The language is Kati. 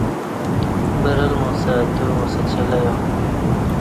برل موسہء اتیور موسہ چلے یا